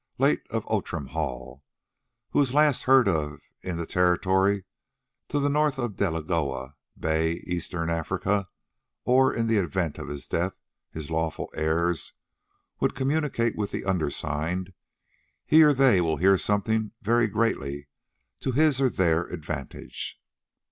late of Outram Hall, who was last heard of in the territory to the north of Delagoa Bay, Eastern Africa, or, in the event of his death, his lawful heirs, will communicate with the undersigned, he or they will hear of something very greatly to his or their advantage.